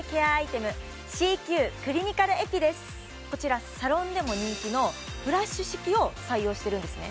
こちらサロンでも人気のフラッシュ式を採用してるんですね